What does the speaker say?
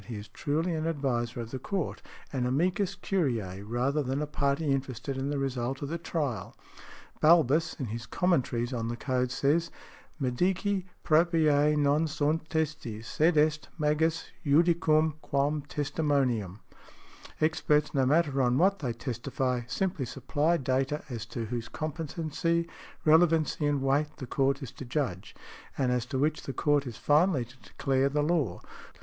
He is truly an adviser of the Court, an amicus curiæ, rather than a party interested in the result of the trial. Balbus in his commentaries on the code says, "Medici proprie non sunt testes, sed est magis judicium quam testimonium." Experts, no matter on what |116| they testify, simply supply data, as to whose competency, relevancy and weight, the Court is to judge, and as to which the Court is finally to declare the law.